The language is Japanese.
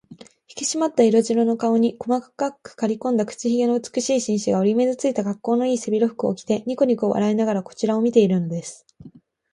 ひきしまった色白の顔に、細くかりこんだ口ひげの美しい紳士が、折り目のついた、かっこうのいい背広服を着て、にこにこ笑いながらこちらを見ているのです。